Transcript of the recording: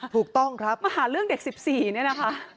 ถูกต้องครับมาหาเรื่องเด็ก๑๔เนี่ยนะคะ